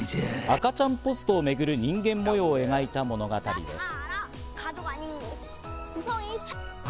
赤ちゃんポストをめぐる人間模様を描いた物語です。